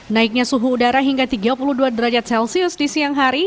naiknya suhu udara hingga tiga puluh dua derajat celcius di siang hari